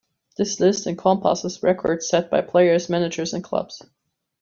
This list encompasses records set by players, managers and clubs.